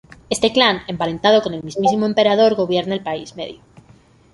Este clan, emparentado con el mismísimo emperador gobierna el País Medio.